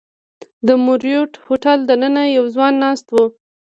د مریوټ هوټل دننه یو ځوان ناست و.